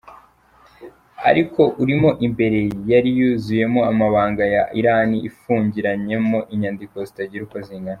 Ariko urimo imbere, yari yuzuyemo amabanga ya Iran, ifungiranyemo inyandiko zitagira uko zingana.